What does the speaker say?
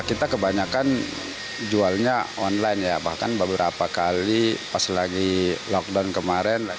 kita kebanyakan jualnya online ya bahkan beberapa kali pas lagi lockdown kemarin